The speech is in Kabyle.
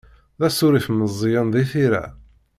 D asurif meẓẓiyen di tira.